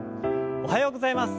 おはようございます。